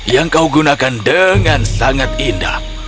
yang kau gunakan dengan sangat indah